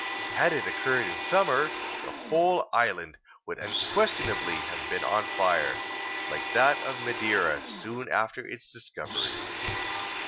Had it occurred in summer, the whole island would unquestionably have been on fire, like that of Madeira soon after its discovery.